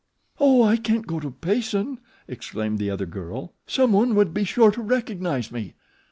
"Oh, I can't go to Payson," exclaimed the other girl. "Someone would be sure to recognize me."